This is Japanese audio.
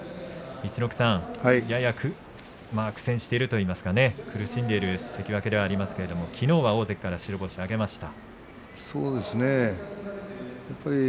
陸奥さん、やや苦戦しているといいますか苦しんでいる関脇ではありますがきのうは大関から白星を挙げました。